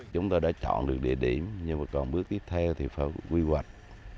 chúng tôi đã chọn được địa điểm nhưng mà còn bước tiếp theo thì phải quy hoạch